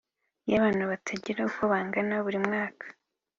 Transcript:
y’ abantu batagira uko bangana buri mwaka.